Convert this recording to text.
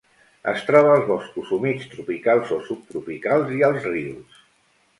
Es troba als boscos humits tropicals o subtropicals i als rius.